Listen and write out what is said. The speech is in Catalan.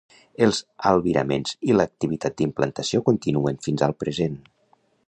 Els albiraments i l'activitat d'implantació continuen fins al present.